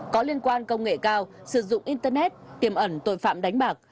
có liên quan công nghệ cao sử dụng internet tiềm ẩn tội phạm đánh bạc